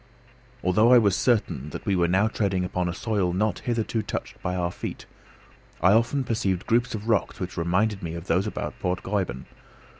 Although I was certain that we were now treading upon a soil not hitherto touched by our feet, I often perceived groups of rocks which reminded me of those about Port Gräuben.